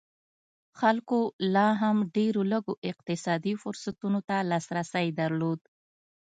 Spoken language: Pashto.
خلکو لا هم ډېرو لږو اقتصادي فرصتونو ته لاسرسی درلود.